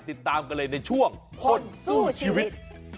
ติดตามกันเลยในช่วงคนสู้ชีวิต